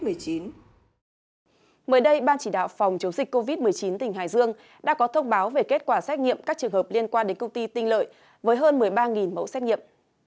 mới đây ban chỉ đạo phòng chống dịch covid một mươi chín tỉnh hải dương đã có thông báo về kết quả xét nghiệm các trường hợp liên quan đến công ty tinh lợi với hơn một mươi ba mẫu xét nghiệm